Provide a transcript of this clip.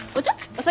お酒？